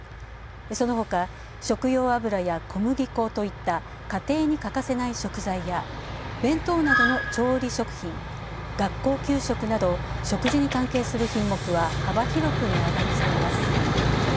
そのほか、食用油や小麦粉といった家庭に欠かせない食材や弁当などの調理食品、学校給食など食事に関係する品目は幅広く値上がりしています。